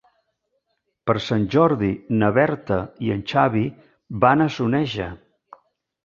Per Sant Jordi na Berta i en Xavi van a Soneja.